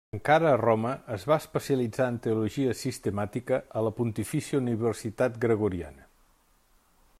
Encara a Roma, es va especialitzar en Teologia Sistemàtica a la Pontifícia Universitat Gregoriana.